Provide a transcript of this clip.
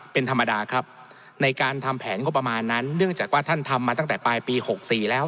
เป็นธรรมดาครับในการทำแผนงบประมาณนั้นเนื่องจากว่าท่านทำมาตั้งแต่ปลายปี๖๔แล้ว